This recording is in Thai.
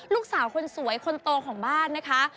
ลูกสาวคนสวยคนโตของบ้านนะคะ